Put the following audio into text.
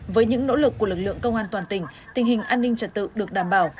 với những nỗ lực của lực lượng công an toàn tỉnh tình hình an ninh trật tự được đảm bảo